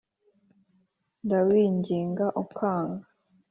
ndawinginga ukanga